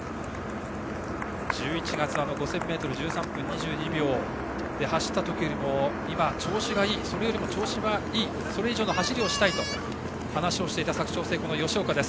１１月、５０００ｍを１３分２２秒で走った時よりもそれよりも調子はいいそれ以上の走りをしたいと話していた佐久長聖の吉岡です。